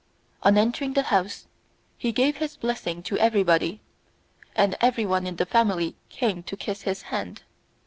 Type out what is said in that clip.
On entering the house he gave his blessing to everybody, and everyone in the family came to kiss his hand.